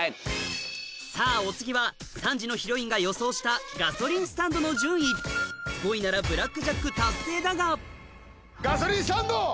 さぁお次は３時のヒロインが予想したガソリンスタンドの順位５位ならブラックジャック達成だがガソリンスタンド！